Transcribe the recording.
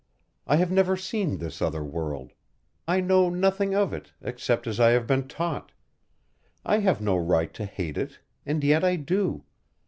"I have never seen this other world. I know nothing of it, except as I have been taught. I have no right to hate it, and yet I do.